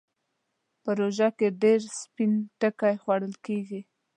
په روژه کې ډېر سپين ټکی خوړل کېږي.